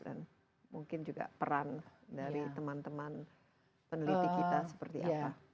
dan mungkin juga peran dari teman teman peneliti kita seperti apa